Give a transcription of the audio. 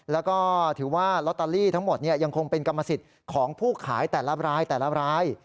แล้วก็ถือว่าลอตเตอรี่ทั้งหมดยังคงเป็นกรรมสิทธิ์ของผู้ขายแต่ละรายแต่ละราย